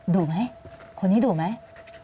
ดุไหมคนนี้ดุไหม